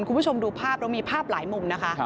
คุณผู้ชมดูภาพเรามีภาพหลายมุมนะคะ